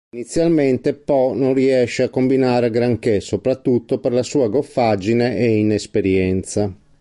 Inizialmente Po non riesce a combinare granché, soprattutto per la sua goffaggine e inesperienza.